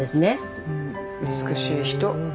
美しい人。